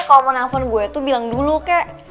kalau romana arbani gue tuh bilang dulu kek